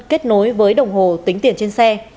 kết nối với đồng hồ tính tiền trên xe